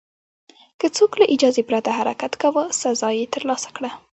که څوک له اجازې پرته حرکت کاوه، سزا یې ترلاسه کړه.